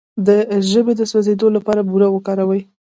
د ژبې د سوځیدو لپاره بوره وکاروئ